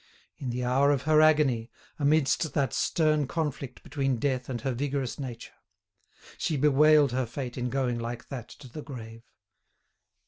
In the hour of her agony, amidst that stern conflict between death and her vigorous nature, she bewailed her fate in going like that to the grave.